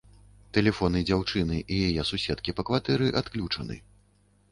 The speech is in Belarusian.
Тэлефоны дзяўчыны і яе суседкі па кватэры адключаны.